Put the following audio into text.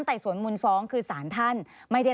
แล้วทีนี้เขาก็เอาไปบ้านแฟนเขา